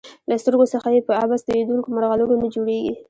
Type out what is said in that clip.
له سترګو څخه یې په عبث تویېدونکو مرغلرو نه جوړیږي.